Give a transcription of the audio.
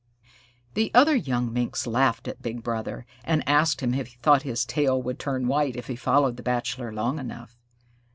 The other young Minks laughed at Big Brother, and asked him if he thought his tail would turn white if he followed the Bachelor long enough.